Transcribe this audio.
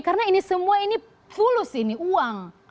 karena ini semua ini pulus ini uang